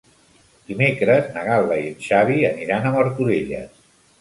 Dimecres na Gal·la i en Xavi aniran a Martorelles.